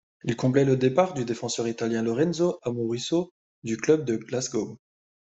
Il comblait le départ du défenseur italien Lorenzo Amoruso du club de Glasgow.